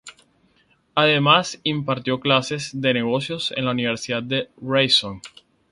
Además impartió clases de negocios en la Universidad Ryerson.